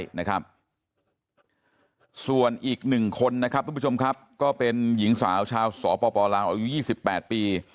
ส่วนอีก๑คนก็เป็นหญิงสาวชาวสปลาวอายุ๒๘ปี